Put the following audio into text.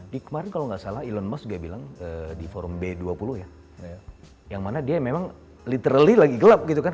di kemarin kalau nggak salah elon musk dia bilang di forum b dua puluh ya yang mana dia memang literally lagi gelap gitu kan